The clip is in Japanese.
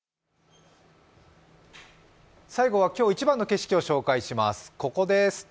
最後は今日一番の景色を紹介します。